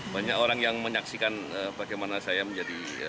banyak orang yang menyaksikan bagaimana saya menjadi